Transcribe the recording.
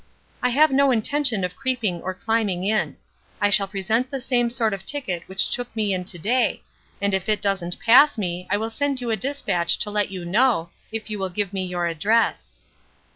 "I have no intention of creeping or climbing in. I shall present the same sort of ticket which took me in to day, and if it doesn't pass me I will send you a dispatch to let you know, if you will give me your address."